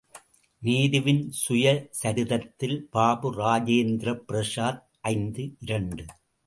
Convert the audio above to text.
நேருவின் சுயசரிதத்தில் பாபு இராஜேந்திர பிரசாத் ஐந்து இரண்டு.